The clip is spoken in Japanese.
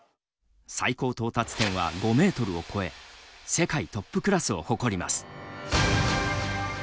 最高到達点は５メートルを超え世界トップクラスを誇ります。